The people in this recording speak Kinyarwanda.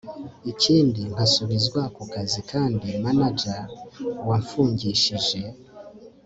ikindi nkasubizwa kukazi kandi manager wamfungishije